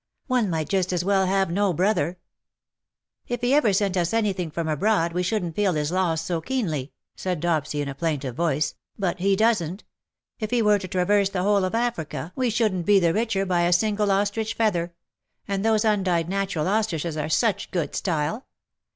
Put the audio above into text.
One might just as well have no brother/^ " If he ever sent us anything from abroad we shouldn^t feel his loss so keenly/^ said Dopsy, in a plaintive voice, *^ but he doesn^t. If he were to traverse the whole of Africa wc shouldn't be the 302 WE HAVE DONE WITH riclier by a single ostrich feather — and those undyed natural ostriches are such good style.